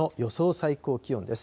最高気温です。